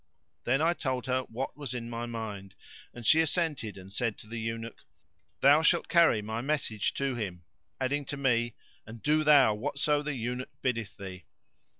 Then I told her what was in my mind and she assented and said to the eunuch, "Thou shalt carry my message to him," adding to me, "And do thou whatso the eunuch biddeth thee."